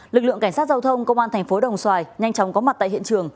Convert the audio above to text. lực lượng cảnh sát giao thông công an thành phố đồng xoài nhanh chóng có mặt tại hiện trường